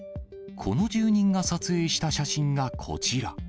この住人が撮影した写真がこちら。